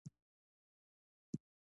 ښاپېرۍ ناستې دي لکه